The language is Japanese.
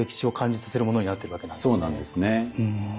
そうなんですね。